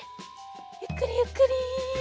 ゆっくりゆっくり。